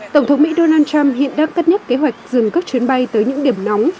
tổng thống mỹ donald trump hiện đang cất nhất kế hoạch dừng các chuyến bay tới những điểm nóng